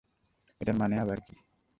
এটার মানে আবার কী?